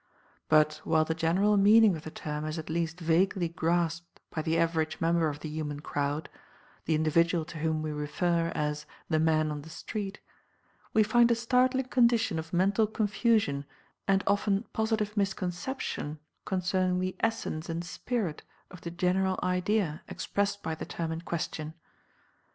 But while the general meaning of the term is at least vaguely grasped by the average member of the human crowd the individual to whom we refer as "the man on the street" we find a startling condition of mental confusion and often positive misconception concerning the essence and spirit of the general idea expressed by the term in question.